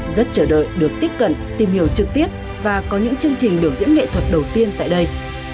rất chờ đợi được tiếp cận tìm hiểu trực tiếp và có những chương trình biểu diễn nghệ thuật đầu tiên tại đây